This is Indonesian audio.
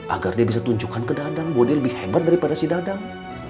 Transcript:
agar dia bisa tunjukkan ke dadang bahwa dia lebih hebat daripada si dadang